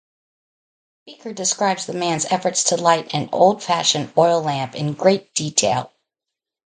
Speaker describes the man's efforts to light an old-fashioned oil lamp in great detail.